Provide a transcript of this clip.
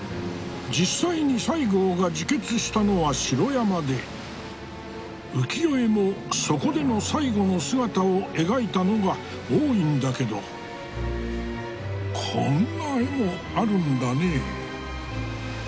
実際に西郷が自決したのは城山で浮世絵もそこでの最期の姿を描いたのが多いんだけどこんな絵もあるんだね。